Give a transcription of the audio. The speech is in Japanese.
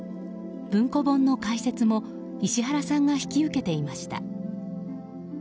文庫本の解説も石原さんが引き受けていました。